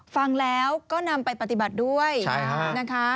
ฟังแล้วก็นำไปปฏิบัติด้วยนะคะ